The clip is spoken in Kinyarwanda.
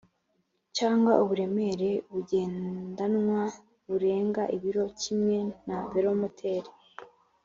cyangwa uburemere bugendanwa burenga ibiro kimwe na velomoteri